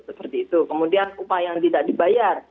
seperti itu kemudian upah yang tidak dibayar